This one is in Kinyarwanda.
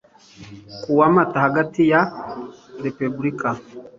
ku wa mata hagati ya repubulika